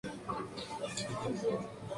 Su principal puerto es Volos.